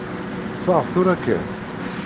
Ffeɣ tura kan.